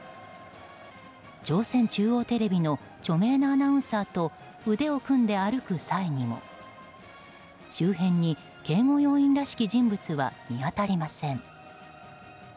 朝鮮中央テレビの著名なアナウンサーと腕を組んで歩く際にも周辺に警護要員らしき人物は見当たりません。